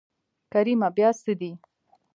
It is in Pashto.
کريمه بيا څه دي.